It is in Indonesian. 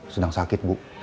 sedang sakit bu